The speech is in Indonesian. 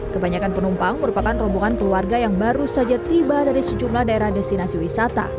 kebanyakan penumpang merupakan rombongan keluarga yang baru saja tiba dari sejumlah daerah destinasi wisata